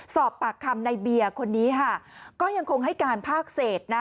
สอบปากคำในเบียร์คนนี้ค่ะก็ยังคงให้การภาคเศษนะ